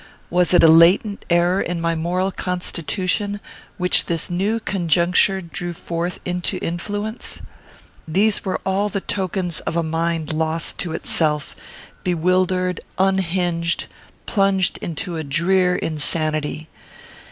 was it a latent error in my moral constitution, which this new conjuncture drew forth into influence? These were all the tokens of a mind lost to itself; bewildered; unhinged; plunged into a drear insanity.